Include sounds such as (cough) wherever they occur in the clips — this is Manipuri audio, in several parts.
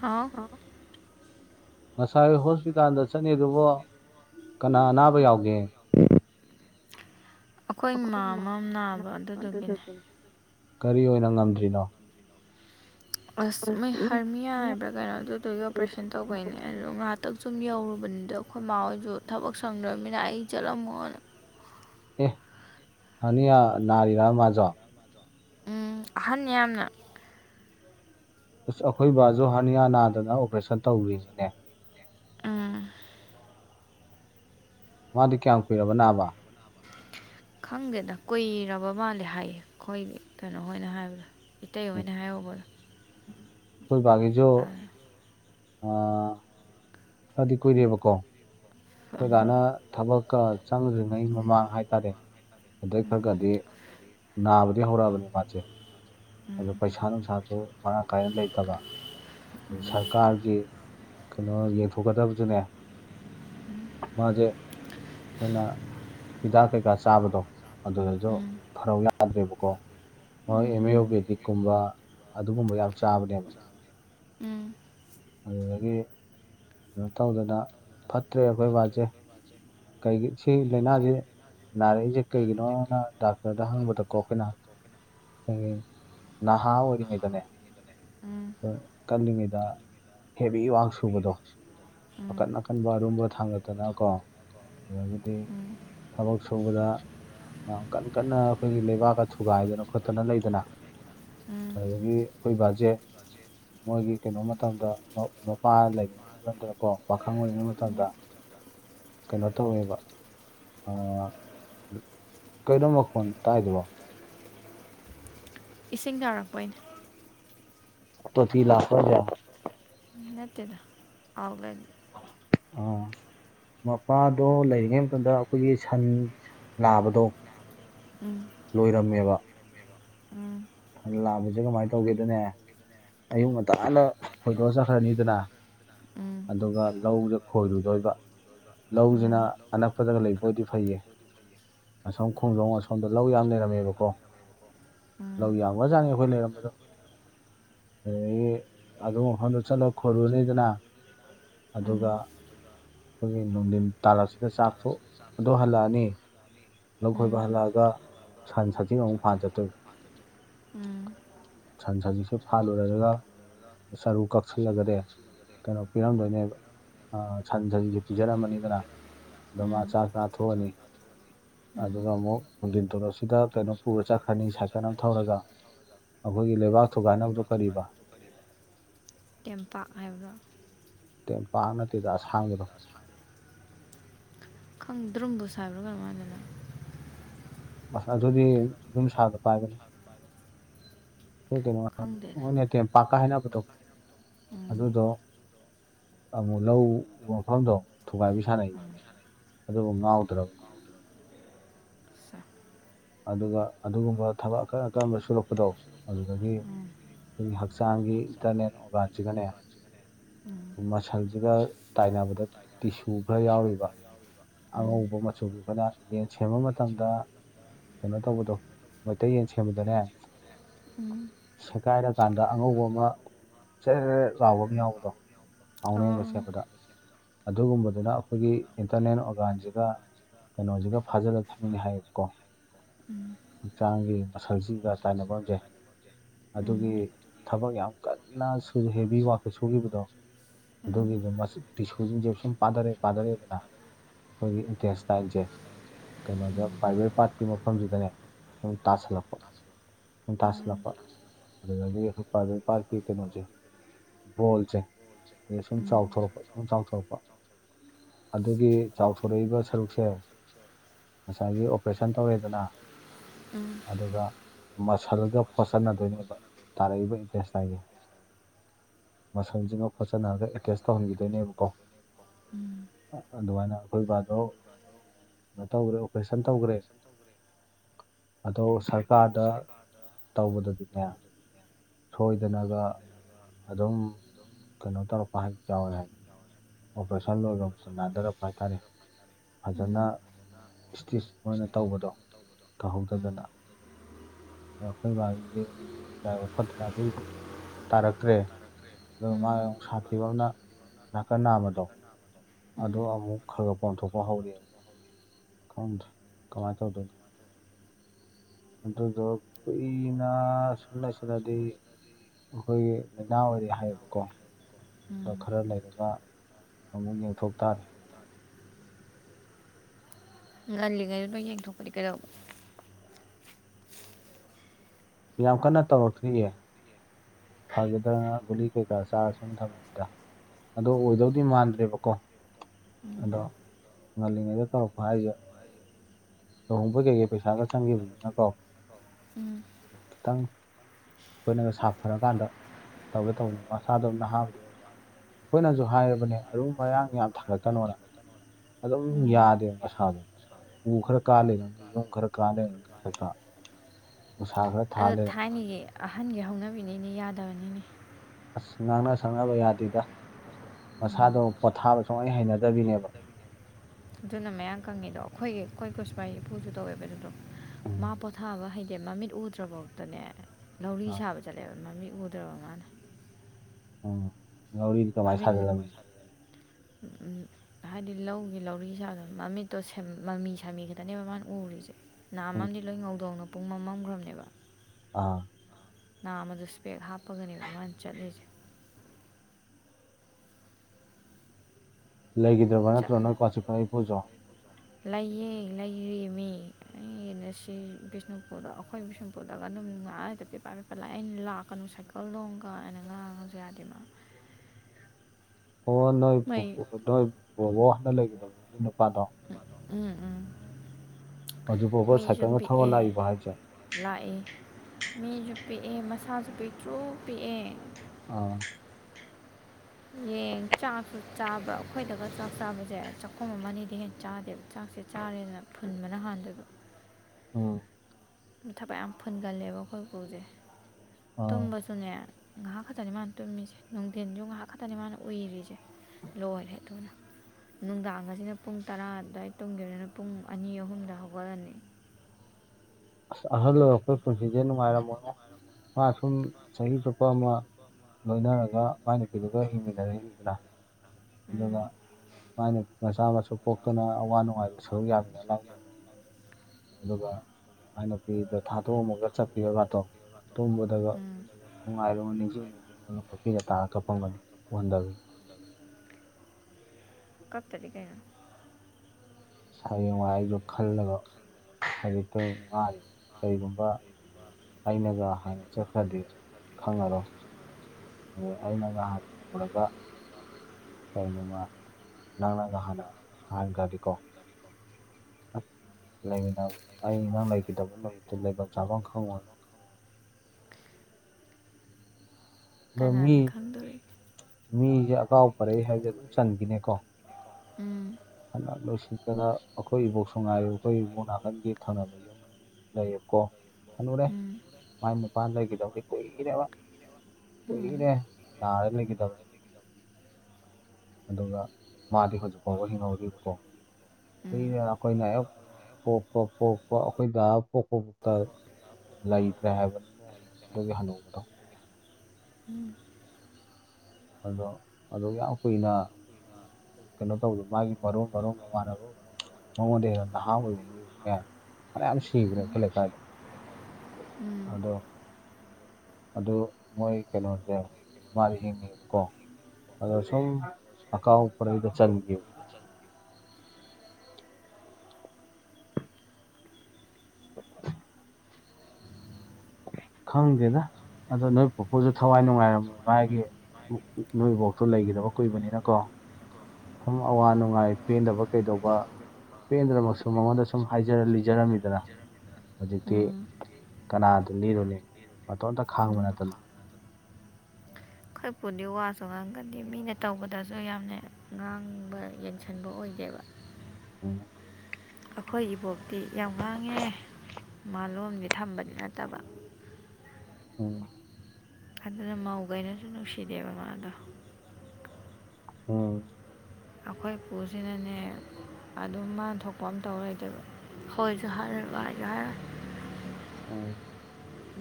ꯍꯥꯎ ꯑ ꯉꯁꯥꯏ ꯍꯣꯁꯄꯤꯇꯥꯜꯗ ꯆꯠꯅꯤ ꯑꯗꯨꯕꯨ ꯀꯅꯥ ꯑꯅꯥꯕ ꯌꯥꯎꯒꯦ ꯑꯩꯈꯣꯏ ꯏꯃꯥ ꯑꯃꯝ ꯅꯥꯕ ꯑꯗꯨꯗꯨꯒꯤꯅꯦ ꯀꯔꯤ ꯑꯣꯏꯅ ꯉꯝꯗ꯭ꯔꯤꯅꯣ ꯑꯁ ꯃꯣꯏ ꯍꯥꯔꯃꯤꯌꯥ ꯍꯥꯏꯕ꯭ꯔꯥ ꯀꯩꯅꯣ ꯗꯣꯛꯇꯔꯒꯤ ꯑꯣꯄꯔꯦꯁꯟ ꯇꯧꯕꯩꯅꯦ ꯑꯗꯣ ꯉꯥꯏꯍꯥꯛꯇꯪ ꯁꯨꯝ ꯌꯧꯔꯨꯕꯅꯤꯗ ꯑꯩꯈꯣꯏ ꯃꯥꯍꯣꯏꯁꯨ ꯊꯕꯛ ꯁꯪꯗ꯭ꯔꯕꯅꯤꯅ ꯑꯩ ꯆꯠꯂꯝꯃꯣꯅ ꯑꯦ ꯑꯅꯤ ꯅꯔꯤꯂ ꯃꯥꯖ ꯎꯝ ꯑꯍꯟ ꯌꯥꯝꯅ ꯑꯁ ꯑꯩꯈꯣꯏ ꯕꯥꯁꯨ ꯍꯔꯅꯤꯌꯥ ꯅꯥꯗꯅ ꯑꯣꯄꯔꯦꯁꯟ ꯇꯧꯔꯤꯅꯤꯅꯦ ꯑꯥ ꯃꯥꯗꯤ ꯀꯌꯥꯝ ꯀꯨꯏꯔꯕ ꯅꯥꯕ ꯈꯪꯗꯦꯗ ꯀꯨꯏꯔꯕ ꯃꯥꯜꯂꯦ ꯍꯥꯏꯌꯦ ꯑꯩꯈꯣꯏꯒꯤ ꯀꯩꯅꯣꯣꯏꯅ ꯍꯥꯏꯕꯗ ꯏꯇꯇꯩ ꯎꯝ, ꯍꯅꯍꯦ ꯍꯕꯔꯕꯔꯣ ꯑꯩꯈꯣꯏ ꯒꯆꯥ ꯈꯔꯗꯤ ꯀꯨꯏꯔꯦꯕꯀꯣ ꯎꯝ ꯑꯩꯈꯣꯏꯖꯥꯅ ꯊꯕꯛꯀ ꯆꯪꯗ꯭ꯔꯤꯉꯩ ꯃꯃꯥꯡ ꯍꯥꯏꯇꯥꯔꯦ ꯑꯗꯩ ꯈꯔ ꯈꯔꯗꯤ ꯅꯥꯕꯗꯤ ꯍꯧꯔꯛꯑꯕꯅꯤ ꯃꯥꯁꯦ ꯑꯗꯨ ꯎꯝ ꯄꯩꯁꯥ ꯅꯨꯡꯁꯥꯁꯨ ꯃꯔꯥꯡ ꯀꯥꯏꯅ ꯂꯩꯇꯕ ꯑꯩ ꯁꯔꯀꯥꯔꯒꯤ ꯀꯩꯅꯣ ꯌꯦꯡꯊꯣꯛꯀꯗꯕꯁꯨꯅꯦ ꯃꯥꯁꯦ ꯑꯩꯈꯣꯏꯅ ꯍꯤꯗꯥꯛ ꯀꯩꯀꯥ ꯆꯥꯕꯗꯣ ꯎꯝ ꯎꯝ ꯑꯗꯨꯗꯁꯨ ꯎꯝ ꯈꯔꯥꯎ ꯌꯥꯗ꯭ꯔꯦꯕꯀꯣ ꯍꯣꯏ ꯑꯦꯝ ꯑꯦ ꯌꯕꯤꯗ ꯕꯤꯛ ꯀꯨꯝꯕ ꯑꯗꯨꯒꯨꯝꯕ ꯌꯥꯝ ꯆꯥꯕꯅꯦꯕ ꯎꯝ ꯑꯗꯨꯗꯒꯤ ꯀꯩꯅꯣ ꯇꯧꯗꯅ ꯐꯠꯇ꯭ꯔꯦ ꯑꯩꯈꯣꯏꯕꯥꯁꯦ ꯀꯩꯒꯤ ꯁꯤ ꯂꯥꯏꯅꯥꯁꯦ ꯅꯥꯔꯛꯏꯁꯦ ꯀꯩꯒꯤꯅꯣꯅ ꯗꯥꯛꯇꯔꯗ ꯍꯪꯕꯗꯀꯣ ꯑꯩꯈꯣꯏꯅ ꯑꯩꯈꯣꯏꯒꯤ ꯅꯍꯥ ꯑꯣꯏꯔꯤꯉꯩꯗꯅꯦ ꯑꯥ ꯍꯣꯏ ꯀꯜꯂꯤꯉꯩꯗ ꯍꯦꯚ ꯋꯥ ꯁꯨꯕꯗꯣ ꯑꯀꯟ ꯑꯀꯟꯕ ꯑꯔꯨꯝꯕ ꯊꯥꯡꯒꯠꯇꯅꯀꯣ ꯑꯗꯒꯤꯗꯤ ꯎꯝ ꯎꯝ ꯎꯝ ꯊꯕꯛ ꯁꯨꯕꯗ ꯌꯥꯝ ꯀꯟꯅ ꯀꯟꯅ ꯑꯩꯈꯣꯏꯒꯤ ꯂꯩꯕꯥꯛꯀ ꯊꯨꯒꯥꯏꯗꯅ ꯈꯣꯠꯇꯅ ꯂꯩꯗꯅ ꯑꯝ ꯑꯗꯒꯤ ꯑꯩꯈꯣꯏ ꯕꯥꯁꯤ ꯃꯣꯏꯒꯤ ꯀꯩꯅꯣ ꯃꯇꯝꯗꯥ ꯃꯄꯥ ꯂꯩꯔꯤꯉꯩ ꯃꯇꯝꯗ ꯀꯣ ꯄꯥꯈꯪ ꯑꯣꯏꯔꯤꯉꯩ ꯎꯝ ꯃꯇꯝꯗꯥ ꯀꯩꯅꯣ ꯇꯧꯋꯦꯕꯥ ꯑꯥ ꯀꯩꯅꯣ ꯃꯈꯣꯟ ꯇꯥꯔꯤꯗꯨꯕꯣ ꯏꯁꯤꯡ ꯌꯥꯔꯛꯄꯩꯅꯤ ꯇꯣꯇꯤ ꯂꯥꯛꯄ꯭ꯔꯕ ꯅꯠꯇꯦꯗꯥ ꯑꯥꯏꯂꯦꯠ ꯅꯤ ꯑꯣ ꯃꯄꯥꯗꯣ ꯂꯩꯔꯤꯉꯩ ꯃꯇꯝꯗ ꯑꯩꯈꯣꯏꯒꯤ ꯁꯟ ꯂꯥꯕꯗꯣ ꯎꯝ ꯂꯣꯏꯔꯝ ꯃꯦꯕꯥ ꯎꯝ ꯁꯟ ꯂꯥꯕꯁꯦ ꯀꯃꯥꯏꯅ ꯇꯧꯒꯦꯗꯅꯦ ꯑꯌꯨꯛ ꯉꯟꯇꯥꯅ ꯍꯣꯏꯗꯣꯛꯑ ꯆꯠꯈ꯭ꯔꯅꯤꯗꯅ ꯎꯝ ꯑꯗꯨꯒ ꯂꯧꯗ ꯈꯣꯏꯔꯨꯗꯣꯏꯕ ꯂꯧꯁꯤꯅ ꯎꯝ ꯑꯅꯛꯄꯗꯒ ꯂꯩꯕ ꯑꯣꯏꯔꯗꯤ ꯐꯩꯌꯦ ꯑꯁꯣꯝ ꯈꯣꯡꯖꯣꯝ ꯑꯁꯣꯝꯗ ꯂꯧ ꯌꯥꯝ ꯂꯩꯔꯝꯃꯦꯕꯀꯣ ꯎꯝ ꯂꯧ ꯌꯥꯝꯒ꯭ꯔꯖꯥꯠꯅꯤ ꯑꯩꯈꯣꯏ ꯂꯩꯔꯝꯕꯗꯣ ꯑꯗꯨꯗꯒꯤ ꯑꯗꯨ ꯃꯐꯝꯗ ꯆꯠꯂ ꯈꯣꯏꯔꯨꯔꯅꯤꯗꯅ ꯎꯝ ꯑꯗꯨꯒ ꯑꯩꯈꯣꯏꯒꯤ ꯅꯨꯡꯊꯤꯟ ꯇꯥꯜꯂꯛꯁꯤꯗ ꯆꯥꯛꯁꯨ ꯑꯗꯨ ꯍꯜꯂꯛꯑꯅꯤ ꯂꯧ ꯎꯝ ꯈꯣꯏꯕ ꯍꯜꯂꯛꯑꯒ ꯁꯟ ꯁꯥꯊꯤꯡ ꯑꯃꯨꯛ ꯐꯥꯟꯕ ꯆꯠꯇꯣꯏꯅꯤ ꯎꯝ ꯁꯟ ꯁꯖꯤꯛꯁꯦ ꯐꯥꯜꯂꯨꯔꯒ ꯆꯔꯨ ꯀꯛꯁꯤꯜꯂꯒꯅꯦ ꯀꯩꯅꯣ ꯄꯤꯔꯝꯗꯣꯏꯅꯦꯕ ꯁꯟ ꯁꯖꯤꯛꯁꯦ ꯄꯤꯖꯔꯝꯃꯅꯤꯗꯅ ꯑꯗꫭ ꯃꯥ ꯎꯝ ꯆꯥꯛ ꯆꯥꯊꯣꯛꯑꯅꯤ ꯎꯝ ꯑꯗꯨꯒ ꯑꯃꯨꯛ ꯅꯨꯡꯗꯤꯟ ꯇꯥꯜꯂꯛꯁꯤꯗ ꯀꯩꯅꯣ ꯄꯨꯔ ꯆꯠꯈ꯭ꯔꯅꯤ ꯁꯥꯏꯀꯜ ꯑꯃꯥ ꯊꯧꯔꯒ ꯑꯩꯈꯣꯏꯒꯤ ꯂꯩꯕꯥꯛ ꯊꯨꯒꯥꯏꯅꯕꯗꫭ ꯀꯔꯤ ꯍꯥꯏꯕꯥ ꯇꯦꯝꯄꯥꯛ ꯍꯥꯏꯕ꯭ꯔꯥ ꯇ°ꯝꯄꯥꯛ ꯅꯠꯇꯦꯗ ꯑꯁꯥꯡ ꯕꯗꯣ ꯈꯪꯗ ꯗ꯭ꯔꯨꯝꯕꯨꯁ ꯍꯥꯏꯕ꯭ꯔꯥ ꯀꯩꯅꫭꯝ ꯍꯥꯏꯗꯥꯏꯅ° ꯑꯁ ꯑꯗꯨꯗꯤ ꯌꯨꯝ ꯁꯥꯕꯗꯥ ꯄꯥꯏꯕꯅꯤ ꯑꯩꯈꯣꯏꯗꯅꯥ ꯀꯩꯅꯣ ꯈꯪꯗꯦꯗ ꯃꯣꯏꯅꯥ ꯇꯦꯝꯄꯥꯛꯀꯥ ꯍꯥꯏꯅꯕꯗꯣ ꯎꯝ ꯑꯗꯨꯗꯣ ꯑꯃꯨꯛ ꯂꯧ ꯎꯕꯥ ꯃꯐꯝꯗꯣ ꯊꯨꯒꯥꯏꯕꯤ ꯁꯥꯟꯅꯩ ꯎꯝ ꯑꯗꯨꯒꯥ ꯉꯥꯎꯗ꯭ꯔꯕꯥ ꯁꯥ ꯑꯗꯨꯒ ꯑꯗꯨꯒꯨꯝꯕ ꯊꯕꯛ ꯑꯀꯟ ꯑꯀꯟꯕꯥ ꯁꯨꯔꯛꯄꯗꯣ ꯑꯗꯨꯗꯒꯤ ꯎꯝ ꯑꯩꯈꯣꯏꯒꯤ ꯍꯛꯆꯥꯡꯒꯤ ꯏꯟꯇꯔꯅꯦꯟ ꯑ꯭ꯔꯣꯒꯥꯟꯁꯤꯒꯅꯦ ꯎꯝ ꯃꯁꯜꯁꯤꯒ ꯇꯥꯏꯅꯕꯗꯥ ꯇꯤꯁꯨ ꯈꯔꯥ ꯌꯥꯎꯔꯤꯕ ꯎꯝ ꯑꯉꯧꯕ ꯃꯆꯨꯒꯤ ꯑꯩꯈꯣꯏꯅꯥ ꯌꯦꯟ ꯁꯦꯝꯕ ꯃꯇꯝꯗꯥ ꯀꯩꯅꯣ ꯇꯧꯕꯗꯨ ꯃꯩꯇꯩ ꯌꯦꯟ ꯁꯦꯝꯕꯗꯅꯦ ꯎꯝ ꯁꯦꯒꯥꯏꯔꯀꯥꯟꯗ ꯑꯉꯧꯕ ꯑꯃ ꯆꯦ ꯆ° ꯂꯥꯎꯕ ꯑꯃ ꯌꯥꯎꯕꯗꯣ ꯑꯣ ꯀꯥꯎꯅꯌ°ꯟꯒꯥ ꯎꯝ ꯁꯦꯝꯄꯗ ꯑꯗꯨꯒꯨꯝꯕꯗꯨꯅ ꯑꯩꯈꯣꯏꯒꯤ ꯏꯟꯇꯔꯅꯦꯟ ꯑꯣꯔꯒꯥꯟꯁꯤꯒ ꯀꯩꯅꯣꯁꯤꯒ ꯐꯥꯖꯤꯜꯂꯥꯒ ꯊꯝꯃꯤꯟꯅꯩ ꯍꯥꯏꯌꯦꯕꯀꯣ ꯎꯝ ꯍꯛꯆꯥꯡꯒꯤ ꯃꯁꯜꯁꯤꯒ ꯇꯥꯏꯅꯐꯝ ꯁꯦ ꯎꯝ ꯑꯗꯨꯒꯤ ꯊꯕꯛ ꯌꯥꯝ ꯀꯟꯅ ꯁꯨ ꯍꯦꯕꯤ ꯋꯥꯛꯇꯥ ꯁꯨꯈꯤꯕꯗꯣ ꯎꯝ ꯑꯗꯨꯒꯤꯗꯨ ꯇꯤꯁꯨꯁꯤꯡꯁꯦ ꯁꯨꯝ ꯄꯥꯊꯔꯛꯑꯦ ꯄꯥꯊꯔꯛꯑꯦꯗꯅ ꯑꯩꯈꯣꯏꯒꯤ ꯏꯟꯇꯦꯟꯁꯇꯥꯏꯜꯁꯦ ꯀꯩꯅꯣꯗ ꯄꯥꯏꯕ꯭ꯔꯦꯠ ꯄꯥꯠꯀꯤ ꯃꯐꯝꯁꯤꯗꯅꯦ ꯁꯨꯝ ꯇꯥꯁꯜꯂꯛꯄ ꯁꯨꯝ ꯎꯝ ꯎꯝ ꯇꯥꯁꯤꯜꯂꯛꯄ ꯑꯗꯨꯗꯒꯤ ꯑꯩꯈꯣꯏ ꯄ꯭ꯔꯥꯏꯚꯦꯠ ꯄꯥꯔꯇꯀꯤ ꯀꯩꯅꯣꯁꯤ ꯕꯣꯜꯁꯦ ꯁꯤꯗ ꯎꯝ ꯎꯝ ꯎꯝ ꯎꯝ ꯁꯨꯝ ꯆꯥꯎꯊꯣꯔꯛꯄ ꯁꯨꯝ ꯆꯥꯎꯊꯣꯔꯛꯄꯥ ꯑꯗꯨꯒꯤ ꯆꯥꯎꯊꯣꯔꯛꯏꯕꯥ ꯁꯔꯨꯛꯁꯦ ꯉꯁꯥꯏꯒꯤ ꯑꯣꯄꯔꯦꯁꯟ ꯇꯧꯔꯦꯗꯅꯥ ꯎꯝ ꯑꯗꯨꯒ ꯃꯁꯜꯒ ꯐꯣꯠꯆꯟꯅꯗꯣꯏꯅꯦꯕ ꯇꯥꯔꯛꯏꯕ ꯏꯟꯇꯦꯁ ꯇꯥꯏꯟꯁꯦ ꯃꯁꯜꯁꯤꯅ ꯈꯣꯠꯆꯟꯅꯔꯒ ꯑꯦꯇꯦꯁ ꯇꯧꯍꯟꯈꯤꯗꯣꯏꯅꯦꯕꯀꯣ ꯑꯗꯨꯃꯥꯏꯅ ꯑꯩꯈꯣꯏꯕꯥꯗꯣ ꯀꯩꯅꯣ ꯇꯧꯈ꯭ꯔꯦ ꯑꯣꯄꯔꯦꯁꯟ ꯇꯧꯈ꯭ꯔꯦ ꯑꯗꯣ ꯀꯥꯗ ꯇꯧꯕꯗꯗꯤ ꯀꯌꯥ ꯁꯣꯏꯗꯅꯒ ꯑꯗꯨꯝ ꯀꯩꯅꯣ ꯇꯧꯔꯛꯄ ꯍꯥꯏ ꯌꯥꯎꯋꯦ ꯍꯥꯏꯕ ꯑꯣꯄꯔꯦꯁꯟ ꯂꯣꯏꯛꯇ ꯅꯥꯗꯔꯛꯄ ꯍꯥꯏꯇꯥꯔꯦ ꯐꯖꯅ ꯏꯁꯇꯤꯁ ꯃꯣꯏꯅ ꯇꯧꯕꯗꯣ ꯎꯝ ꯇꯧꯍꯧꯗꯗꯅ ꯑꯗ ꯑꯩꯈꯣꯏ ꯕꯥꯒꯤꯗꯤ ꯂꯥꯢꯕꯛ ꯐꯗꯅ ꯇꯥꯔꯛꯇ꯭ꯔꯦ ꯑꯗꯣ ꯎꯝ ꯎꯝ ꯃꯥꯅꯃꯨꯛ ꯁꯊꯤꯕ ꯑꯃꯅ ꯅꯥꯀꯟ ꯅꯥꯝꯕꯗꯣ ꯑꯗ ꯑꯃꯨꯛ ꯈꯔ ꯈ ꯄꯣꯝꯊꯣꯛꯄ ꯍꯧꯔꯛꯑꯦꯕ ꯈꯪꯗꯔꯦ ꯀꯃꯥꯏ ꯇꯧꯗꫭꯏꯅꫭ ꯑꯗꯨꯗꯣ ꯀꯨꯏꯅ ꯑꯁꯨꯝ ꯔꯩꯁꯤꯜꯔꯗꯤ ꯑꯩꯈꯣꯏꯒꯤ ꯂꯩꯅꯥ ꯑꯣꯏꯔꯛꯏ ꯍꯥꯏꯌꯦꯕꯥ ꯀꯣ ꯑꯗꫭ ꯎꯝ ꯈꯔ ꯂꯩꯔꯒ ꯑꯃꯨꯛ ꯌꯦꯡꯊꯣꯛ ꯇꯥꯔꯦ꯫ ꯉꯜꯂꯤꯉꯩꯗ ꯅꯣꯢ ꯌꯦꯡꯊꯣꯛꯄꯗꯤ ꯀꯩꯗꯧꯕ ꯌꯥꯝ ꯀꯟꯅ ꯇꯧꯔꯛꯇ꯭ꯔꯤꯌꯦ꯫ ꯐꯒꯗ꯭ꯔꯅꯥ ꯒꯨꯂꯤ ꯀꯩꯀꯥ ꯆꯥꯔ ꯁꯨꯝ ꯊꯕꯅꯤꯗꯥ꯫ ꯑꯗꯨ ꯑꯣꯢꯗꯧꯗꯤ ꯃꯥꯟꯗ꯭ꯔꯦꯕꯀꯣ꯫ ꯎꯝ ꯑꯗꯣ ꯉꯜꯂꯤꯉꯩꯗꯥ ꯇꯧꯔꯛꯄꯥ ꯍꯥꯏꯁꯤ ꯂꯨꯍꯣꯡꯕꯩ ꯀꯩꯀꯩ ꯄꯩꯁꯥꯒꯥ ꯆꯪꯈꯤꯕꯅꯤꯅꯀꯣ ꯎꯝ ꯈꯤꯇꯪ ꯑꯩꯈꯣꯏꯅꯒꯥ ꯁꯥ ꯐꯔꯀꯥꯟꯗ ꯇꯧꯒꯦ ꯇꯧꯕꯅꯤ ꯃꯁꯥꯗꯣ ꯅꯍꯥꯕꯨꯗꯤ ꯑꫭꯏꯔꯤ ꯑꯩꯈꯣꯏꯅꯁꯨ ꯍꯥꯏꯔꯕꯅꯦ ꯑꯔꯨꯝ ꯃꯌꯥꯥꯡ ꯌꯥꯝ ꯊꯥꯡꯒꯠꯀꯅꯣꯅ ꯑꯗꯨꯝ ꯎꯝ ꯌꯥꯗꯦ ꯃꯁꯥꯗꯣ ꯎ ꯈꯔ ꯀꯥ ꯂꯩꯔꯝꯃꯤ ꯌꯨꯝ ꯈꯔ ꯀꯥ ꯂꯩꯔꯝꯃꯤ ꯃꯊꯛꯇ ꯎꯁꯥ ꯈꯔ ꯊꯥ ꯑꯗꯣ ꯂꯩꯔꯝꯃꯤ ꯊꯥꯏꯅꯒꯤ ꯑꯍꯟꯒꯤ ꯍꯧꯅꯕꯤꯅꯤꯅꯦ ꯌꯥꯗꯕꯅꯤꯅꯦ ꯑꯁ ꯉꯥꯡꯅ ꯁꯛꯅꯕ ꯌꯥꯗꯦꯗ ꯎꯝ ꯃꯁꯥꯗꯣ ꯄꯣꯊꯥꯕ ꯁꯨꯡꯍꯩ ꯍꯩꯅꯗꯕꯤꯅꯦꯕ ꯑꯗꯨꯅ ꯃꯌꯥꯡ ꯀꯪꯉꯤꯗꯣ ꯑꯩꯈꯣꯏꯒꯤ ꯀꯣꯏ ꯀꯨꯁꯄ ꯏꯄꯨꯁꯨ ꯇꯧꯋꯦꯕ ꯑꯗꯨꯗꯣ ꯎꯝ ꯃꯥ ꯄꯣꯊꯥꯕ ꯍꯥꯏꯇꯦ ꯃꯃꯤꯠ ꯎꯗ꯭ꯔꯐꯥꯎꯗꯅꯦ ꯂꯧꯔꯤ ꯑ ꯁꯥꯕ ꯆꯠꯂꯦꯕ ꯃꯃꯤꯠ ꯎꯗ꯭ꯔꯕ ꯃꯥꯥꯅ ꯎꯝ ꯉꯧꯔꯤꯗꯤ ꯀꯃꯥꯏꯅ ꯁꯥꯖꯤꯜꯂꯝꯃꯤꯣ ꯎꯝ ꯍꯥꯏꯗꯤ ꯂꯧꯒꯤ ꯂꯧꯔꯤ ꯁꯥꯥꯗꯣ ꯃꯃꯤꯠꯇꯣ ꯃꯃꯤ ꯁꯥꯃꯤ ꯈꯛꯇꯅꯦꯕ ꯃꯥꯅ ꯎꯔꯤꯁꯦ ꯅꯝꯃ ꯎꯝ ꯑꯃꯗꯤ ꯂꯣꯏ ꯉꯧꯗꯣꯡꯅ ꯄꯨꯡ ꯃꯝꯃꯝꯈ꯭ꯔꯕꯅꯦꯕ ꯑꯥ ꯅꯥꯝ ꯗꯨꯁꯨ ꯁꯄꯦꯛ ꯍꯥꯞꯄꯒꯅꯦꯕ ꯃꯥꯅ ꯆꯠꯂꯤꯁꯦ ꯂꯩꯈꯤꯗ꯭ꯔꯕ ꯅꯠꯇ꯭ꯔꯣ ꯅꯣꯏ ꯀꯣꯆꯤꯛꯄꯅ ꯑꯩꯄꯨꯁꯨ ꯂꯩꯌꯦ ꯂꯩꯌꯦꯃꯤ ꯑꯩꯟꯅ ꯁꯤ ꯕꯤꯁꯅꯨꯄꯨꯔꯗ ꯑꯩꯈꯣꯏ ꯕꯤꯁꯅꯨꯨꯔ ꯇꯣꯠꯂ ꯑꯗꯨꯝ ꯉꯥꯏ ꯍꯦ ꯄꯦ ꯄ ꯄꯦꯄ ꯂꯥꯛꯑꯦ ꯑꯩꯅ ꯂꯥꯛꯀꯅꯨ ꯁꯥꯏꯀꯜꯗꯣꯝꯒ ꯑꯅ ꯉꯥꯡꯉꯁꯨ ꯌꯥꯗꯦꯃ ꯑꯣ ꯅꯣꯏ ꯃꯩ ꯅꯣꯏ ꯕꯣꯕꯣ ꯍꯅ ꯂꯩꯒꯗꯕꯒꯤ ꯅꯨꯄꯥꯗꯣ ꯎꯝ ꯎꯝ ꯑꯗꯨꯐꯥꯎꯕ ꯃꯤꯁꯨ ꯁꯥꯏꯀꯜꯅ ꯊꯧꯅ ꯄꯤꯛꯑꯦ ꯂꯥꯛꯏꯕꯣ ꯍꯥꯏꯁꯦ ꯂꯥꯛꯏ ꯃꯤꯁꯨ ꯄꯤꯛꯑꯦ ꯃꯁꯥꯁꯨ ꯄꯤꯛꯇ꯭ꯔꯨ ꯄꯤꯛꯑꯦ ꯑ ꯌꯦꯡ ꯆꯥꯛꯁꯨ ꯆꯥꯕ ꯑꯩꯈꯣꯏꯗꯒ ꯆꯥꯛ ꯆꯥꯕꯁꯦ ꯆꯥꯛꯈꯣꯝ ꯑꯃꯅꯤꯗꯤ ꯍꯦꯟꯅ ꯆꯥꯗꯦꯕ ꯆꯥꯛꯁꯦ ꯆꯥꯔꯦꯗꯅ ꯐꯨꯟꯕꯅ ꯍꯥꯟꯗꯣꯏꯕ ꯑꯣ ꯃꯊꯕꯛ ꯌꯥꯝ ꯐꯨꯟꯒꯜꯂꯦꯕ ꯑꯩꯈꯣꯏꯄꯨꯁꯦ ꯑꯥ ꯇꯨꯝꯕꯁꯨ ꯑꯗꯨꯅꯦ ꯉꯥꯏꯍꯥꯛ ꯈꯛꯇꯅꯤ ꯃꯥꯅ ꯇꯨꯝꯃꯤꯁꯦ ꯅꯨꯡꯊꯤꯟꯁꯨ ꯉꯥꯏꯍꯥꯛ ꯈꯛꯇꯅꯤ ꯃꯥꯅ ꯎꯏꯔꯤꯁꯦ ꯂꯣꯏꯔꯦ ꯑ ꯇꯨꯅ ꯅꯨꯡꯗꯥꯡ ꯑꯁꯤꯅ ꯄꯨꯡ ꯇꯔꯥ ꯑꯗꯨꯋꯥꯏ ꯇꯨꯝꯈꯤꯕꯅꯤꯅ ꯄꯨꯡ ꯑꯅꯤ ꯑꯍꯨꯝꯗ ꯍꯧꯒꯠꯂꯅꯤ ꯑꯁ ꯑꯍꯜ ꯑꯣꯏꯔꯛꯄꯩ ꯄꯨꯟꯁꯤꯁꯦ ꯅꯨꯡꯉꯥꯏꯔꯝꯃꯣꯏꯍꯦ ꯃꯥ ꯁꯨꯝ ꯆꯍꯤ ꯆꯨꯞꯄ ꯑꯃ ꯂꯣꯏꯅꯔꯒ ꯃꯥꯏ ꯅꯨꯄꯤꯗꯨꯒ ꯍꯤꯡꯃꯤꯟꯅꯔꯛꯏꯅꯤꯗꯅ ꯎꯝ ꯑꯗꯨꯒ ꯃꯥꯏꯅ ꯃꯆꯥ ꯃꯁꯨ ꯄꯣꯛꯇꯅ ꯑꯋꯥ ꯅꯨꯡꯉꯥꯏꯗꯨ ꯁꯔꯨꯛ ꯌꯥꯃꯤꯟꯅ ꯂꯥꯛꯏꯅꯦ ꯑꯗꯨꯒ ꯃꯥꯏ ꯅꯨꯄꯤꯗꯣ ꯊꯥꯗꯣꯛꯑꯝꯃꯒ ꯆꯠꯄꯤꯔ ꯃꯥꯇꯣꯝ ꯇꯨꯝꯕꯗꯒ ꯎꯝ ꯅꯨꯡꯉꯥꯏꯔꯣꯟ ꯅꯤꯡꯖꯤꯡ ꯅꯤꯡꯖꯤꯡꯉꯒ ꯃꯄꯤꯒ ꯇꯥꯔ ꯀꯞꯄꯝꯒꯅꯤ ꯎꯍꯟꯗꯕꯤ (inaudible) ꯀꯞꯇꯗꯤ ꯀꯩꯅꯣ ꯍꯌꯦꯡꯋꯥꯏ ꯑꯩꯖꯨ ꯈꯜꯂꯒ ꯍꯧꯖꯤꯛꯇ ꯋꯥꯔꯤ ꯀꯔꯤꯒꯨꯝꯕ ꯑꯩꯅꯒ ꯍꯥꯟꯅ ꯆꯠꯈ꯭ꯔꯗꯤ ꯈꯪꯉꯔꯣꯏ ꯑꯗꯩ ꯑꯩꯅꯒ ꯍꯥꯟꯅ ꯂꯩꯍꯧꯔꯒ ꯀꯩꯅꯣꯝꯃ ꯅꯪꯅꯒ ꯍꯥꯟꯅ ꯍꯥꯟꯒ꯭ꯔꯗꯤꯀꯣ ꯑꯁ ꯂꯩꯃꯤꯟꯅꯕ ꯑꯩ ꯅꯪ ꯂꯩꯈꯤꯗꯕ ꯅꯨꯃꯤꯠꯇꯨ ꯂꯩꯕꯝ ꯆꯥꯕꯝ ꯈꯪꯉꯣꯏ ꯑꯗꯣ ꯃꯤ ꯀꯅꯥꯅ ꯈꯪꯗꯣꯔꯤ ꯃꯤꯖꯦ ꯑꯀꯥꯎ ꯄꯔꯩ ꯍꯥꯏꯕꯁꯦ ꯑꯗꯨꯝ ꯆꯟꯒꯤꯅꯦꯀꯣ ꯎꯝ ꯐꯅ ꯅꯨꯡꯁꯤꯅꯅ ꯑꯩꯈꯣꯏ ꯏꯕꯣꯛꯁꯨ ꯉꯥꯏꯔꯦ ꯑꯩꯈꯣꯏ ꯏꯕꯣꯛ ꯅꯥꯀꯟꯒꯤ ꯊꯪꯅꯕ ꯌꯨꯝꯒꯤ ꯂꯩꯌꯦꯞꯀꯣ ꯍꯟꯅꯨꯔꯦ ꯎꯝ ꯃꯥꯏ ꯅꯨꯄꯥ ꯂꯩꯒꯤꯗꯕꯗꯤ ꯀꯨꯏꯔꯦꯕ ꯎꯝ ꯀꯨꯏꯔꯦ ꯅꯥꯔ ꯂꯩꯒꯤꯗꯕ ꯑꯗꯨꯒ ꯃꯥꯗꯤ ꯍꯧꯖꯤꯛꯐꯥꯎꯕ ꯍꯤꯡꯍꯧꯔꯤꯕꯀꯣ ꯎꯝ ꯀꯨꯏꯅ ꯑꯈꯣꯏꯅ ꯍꯦꯛ ꯄꯣꯛꯄ ꯄꯣꯛꯄ ꯑꯩꯈꯣꯏꯗ ꯇꯥ ꯄꯣꯛꯄꯕꯨꯛꯇ ꯂꯩꯇ꯭ꯔꯦ ꯍꯥꯏꯕꯅꯤꯅꯦ ꯑꯗꯨꯒꯤ ꯍꯟꯅꯨꯕꯗꯣ ꯎꯝ ꯑꯗꯣ ꯑꯗꯨꯛ ꯌꯥꯝ ꯀꯨꯏꯅ ꯀꯩꯅꯣ ꯇꯧꯕꯗꯣ ꯃꯥꯒꯤ ꯃꯔꯣꯟ ꯃꯔꯣꯟ ꯃꯃꯥꯟꯅꯕ ꯃꯉꯣꯟꯗꯩ ꯍꯦꯟꯅ ꯅꯍꯥ ꯑꯣꯏꯕ ꯃꯤꯖꯨꯅꯦ ꯐꯅꯌꯥꯝ ꯁꯤꯒ꯭ꯔꯦ ꯑꯩꯈꯣꯏ ꯂꯩꯀꯥꯏꯗ ꯎꯝ ꯑꯗꯣ ꯑꯗꯨ ꯃꯣꯏ ꯀꯩꯅꯣꯖꯦ ꯃꯥꯗꯤ ꯍꯤꯡꯉꯤꯕꯀꯣ ꯑꯗꯣ ꯁꯨꯝ ꯑꯀꯥꯎ ꯄꯔꯩꯗꯣ ꯆꯟꯒꯤꯕ (inaudible) ꯈꯪꯗꯦꯗ ꯑꯗꯣ ꯅꯣꯏ ꯄꯨꯄꯨꯖꯨ ꯊꯋꯥꯏ ꯅꯨꯡꯉꯥꯏꯔꯝꯃꯣꯏ ꯃꯥꯒꯤ ꯅꯣꯏ ꯕꯣꯛꯇꯣ ꯂꯩꯒꯤꯗꯕ ꯀꯨꯏꯕꯅꯤꯅ ꯀꯣ ꯁꯨꯝ ꯑꯋꯥ ꯅꯨꯡꯉꯥꯏ ꯄꯦꯟꯗꯕ ꯀꯩꯗꯧꯕ ꯄꯦꯟꯗ꯭ꯔꯃꯛꯁꯨ ꯃꯉꯣꯟꯗ ꯁꯨꯝ ꯍꯥꯏꯖꯔ ꯂꯤꯖꯔꯝꯃꯤꯗꯅ ꯎꯝ ꯍꯧꯖꯤꯛꯇꯤ ꯎꯝ ꯀꯅꯥꯗ ꯂꯤꯔꯨꯅꯤ ꯃꯇꯣꯟꯇ ꯈꯥꯡꯕ ꯅꯠꯇꯅ ꯑꯈꯣꯏ ꯄꯨꯗꯤ ꯋꯥꯁꯨ ꯉꯥꯡꯒꯟꯗꯦ ꯃꯤꯅ ꯇꯧꯕꯗꯁꯨ ꯌꯥꯝꯅ ꯉꯥꯡꯕ ꯌꯦꯡꯁꯟꯕ ꯑꯣꯏꯗꯦꯕ ꯎꯝ ꯑꯩꯈꯣꯏ ꯏꯕꯣꯛꯇꯤ ꯌꯥꯝ ꯉꯥꯡꯉꯦ ꯃꯥꯂꯣꯝꯗꯤ ꯊꯝꯕꯗꯤ ꯅꯠꯇꯕ ꯎꯝ ꯑꯗꯨꯅ ꯃꯧꯒꯩꯅꯁꯨ ꯅꯨꯡꯁꯤꯗꯦꯕ ꯃꯥꯗꯣ ꯎꯝ ꯑꯈꯣꯏ ꯄꯨꯖꯤꯅꯅꯦ ꯑꯗꯨꯝ ꯃꯥꯥꯅ ꯊꯣꯛꯄ ꯑꯃ ꯇꯧ ꯂꯩꯗꯣꯏꯕ ꯍꯣꯏꯖꯨ ꯍꯥꯏꯔꯣꯏ ꯃꯥꯏꯖꯨ ꯍꯥꯏꯔꯣꯏ ꯑꯣ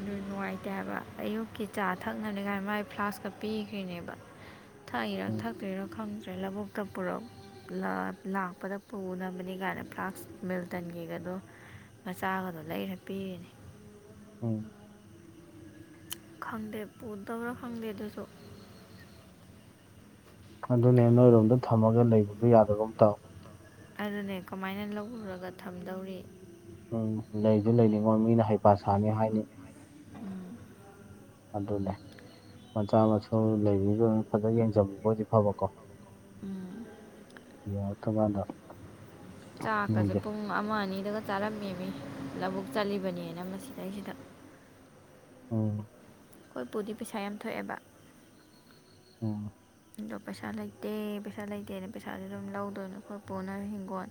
ꯑꯗꯨ ꯅꯨꯡꯉꯥꯏꯇꯦ ꯍꯥꯏꯕ ꯑꯌꯨꯛꯀꯤ ꯆꯥ ꯊꯛꯅꯅꯤꯉꯥꯏ ꯃꯥꯏ ꯐ꯭ꯂꯥꯛꯁꯀ ꯄꯤꯈ꯭ꯔꯤꯅꯦꯕ ꯊꯛꯏꯔꯥ ꯎꯝ ꯊꯛꯇ꯭ꯔꯤꯔꯥ ꯈꯪꯗ꯭ꯔꯦ ꯂꯧꯕꯨꯛꯇ ꯄꯨꯔꯝ ꯂ ꯂꯥꯛꯄꯗ ꯄꯨꯅꯕꯅꯤ ꯀꯥꯏꯅ ꯐ꯭ꯂꯥꯛꯁ ꯃꯤꯜꯇꯟꯒꯤꯒꯗꯣ ꯃꯆꯥꯒꯗꯣ ꯂꯩꯔ ꯄꯤꯔꯤꯅꯤ ꯎꯝ ꯈꯪꯗꯦ ꯄꯨꯗꯕꯔ ꯈꯪꯗꯦ ꯑꯗꯨꯁꯨ ꯑꯗꯨꯅꯦ ꯅꯣꯏꯔꯣꯝꯗ ꯊꯝꯃꯒ ꯂꯩꯕꯖꯨ ꯌꯥꯗꯒꯨꯝ ꯇꯧ ꯑꯗꯨꯅꯦ ꯀꯃꯥꯏꯅ ꯂꯧꯔꯨꯔꯒ ꯊꯝꯗꯧꯔꯤ ꯎꯝ ꯂꯩꯖꯨ ꯂꯩꯅꯤꯡꯉꯣꯏ ꯃꯤꯅ ꯍꯩꯄꯥ ꯁꯥꯅꯤ ꯍꯥꯏꯅꯤ ꯎꯝ, ꯑꯗꯨꯅꯦ ꯃꯆꯥ ꯃꯁꯨ ꯂꯩꯔꯤꯗꯨ ꯐꯖꯅ ꯌꯦꯡꯖꯟꯕꯤꯕ ꯑꯣꯏꯗꯤ ꯐꯕꯀꯣ ꯎꯝ. ꯌꯥꯔꯛꯇꯀꯥꯟꯗ ꯆꯥꯛꯀꯥꯖꯦ ꯄꯨꯡ ꯑꯃ ꯑꯅꯤꯗꯒ ꯆꯥꯔꯝꯃꯦꯃꯤ ꯂꯕꯨꯛ ꯆꯠꯂꯤꯕꯅꯦꯅ ꯃꯁꯤꯗꯩꯁꯤꯗ ꯎꯝ ꯑꯩꯈꯣꯏꯄꯨꯗꯤ ꯄꯩꯁꯥ ꯌꯥꯝ ꯊꯣꯛꯑꯦꯕ ꯑꯣ ꯑꯗꯣ ꯄꯩꯁꯥ ꯂꯩꯇꯦ ꯄꯩꯁꯥ ꯂꯩꯇꯦꯅ ꯄꯩꯁꯥꯖꯦ ꯑꯗꯨꯝ ꯂꯧꯗꯣꯏꯅꯣ ꯑꯩꯈꯣꯏ ꯄꯨꯅ ꯍꯤꯡꯒꯣꯟ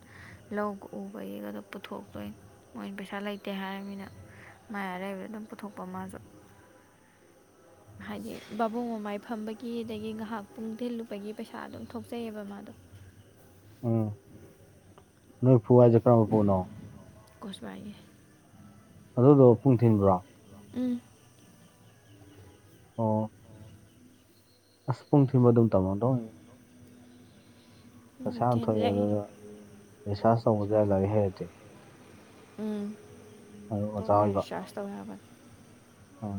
ꯂꯧꯒ ꯎꯕꯩ ꯒꯗꯣ ꯄꯨꯊꯣꯛꯇꯣꯏ ꯃꯣꯏ ꯄꯩꯁꯥ ꯂꯩꯇꯦ ꯍꯥꯏꯔꯃꯤꯅ ꯃꯥꯏ ꯑꯔꯩꯕ ꯑꯗꯨꯝ ꯄꯨꯊꯣꯛꯄ ꯃꯥꯖꯨ ꯇꯥꯕ ꯉꯝꯗꯕ ꯍꯥꯏꯗꯤ ꯕꯥꯕꯣꯛ ꯃꯃꯥꯏ ꯐꯝꯕꯒꯤ ꯑꯗꯒꯤ ꯉꯍꯥꯛ ꯄꯨꯡ ꯊꯤꯜꯂꯨꯕꯒꯤ ꯄꯩꯁꯥ ꯑꯗꯨꯝ ꯊꯣꯛꯆꯩꯑꯕ ꯃꯥꯗꯣ ꯎꯝ ꯅꯣꯏ ꯄꯨ ꯍꯥꯏꯖꯦ ꯀꯔꯝꯕ ꯄꯨꯅꯣ ꯀꯣꯁꯤꯕꯥꯏꯒꯤ ꯑꯗꯨꯗꯣ ꯄꯨꯡ ꯊꯤꯟꯕ꯭ꯔꯣ ꯎꯝ ꯑꯣ ꯂꯧꯁꯤꯟꯕ ꯉꯝꯗꯕ ꯑꯁ ꯄꯨꯡ ꯊꯤꯟꯕ ꯗꯨꯝ ꯇꯝꯃꯝꯗꯧꯅꯤꯗ ꯎꯝ ꯄꯩꯁꯥ ꯌꯥꯝ ꯊꯣꯛꯑꯦ ꯊꯤꯜꯂꯦ ꯑꯗꯨꯒ ꯔꯤꯁꯥꯔꯁ ꯇꯧꯕꯖꯨ ꯌꯥꯏ ꯂꯥꯏꯔꯤꯛ ꯍꯩꯔꯗꯤ ꯎꯝ ꯑꯗꯨ ꯑꯣꯖꯥ ꯄꯨꯡꯒꯤ ꯔꯤꯆꯥꯔꯁ ꯇꯧ ꯌꯥꯕꯅꯤ ꯑꯥ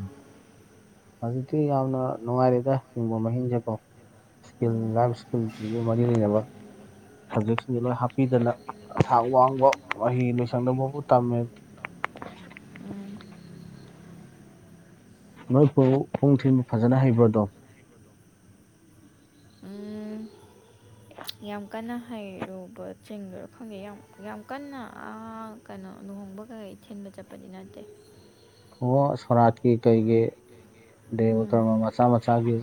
ꯍꯧꯖꯤꯛꯇꯤ ꯌꯥꯝꯅ ꯅꯨꯡꯉꯥꯏꯔꯦꯗ ꯍꯤꯡꯕ ꯃꯍꯤꯡꯖꯦꯀꯣ ꯀꯤꯜ ꯎꯝ ꯂꯥꯏꯕ ꯁ꯭ꯀꯤꯜ ꯖꯤꯒ ꯃꯔꯤ ꯂꯩꯅꯕ ꯁꯕꯖꯦꯛꯁꯤꯡꯖꯦ ꯂꯣꯏ ꯍꯥꯞꯄꯤꯗꯅ ꯊꯥꯛ ꯋꯥꯡꯕ ꯃꯍꯩ ꯂꯣꯏꯁꯪꯗ ꯕꯥꯎꯕ ꯇꯝꯃꯦꯕ ꯎꯝ ꯅꯣꯏꯄꯨꯕꯨ ꯄꯨꯡ ꯊꯤꯟꯕ ꯐꯖꯅ ꯍꯩꯕ꯭ꯔꯣ ꯑꯗꯨꯝ ꯎꯝ ꯌꯥꯝ ꯀꯟꯅ ꯍꯩꯔꯨꯕ ꯆꯤꯟꯒꯔꯣ ꯈꯪꯗꯦ ꯌꯥꯝ ꯌꯥꯝ ꯀꯟꯅ ꯑꯥ ꯀꯩꯅꯣ ꯂꯨꯍꯣꯡꯕꯒꯩꯩ ꯊꯤꯟꯕ ꯆꯠꯄ ꯕꯗꯤ ꯅꯠꯇꯦ ꯑꯣꯑꯣ ꯁꯣꯔꯠꯀꯤ ꯀꯩꯒꯤ ꯗꯦꯕ ꯎꯝ ꯀꯔꯃ ꯃꯆꯥ ꯃꯆꯥꯒꯤ